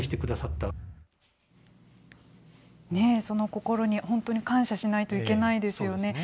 その心に本当に感謝しないといけないですよね。